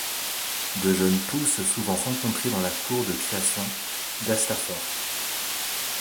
De jeunes pousses souvent rencontrées dans la cour de création d’Astaffort.